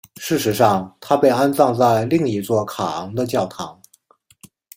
事实上她被安葬在另一座卡昂的教堂。